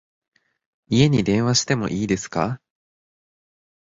家に電話しても良いですか？